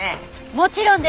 もちろんです！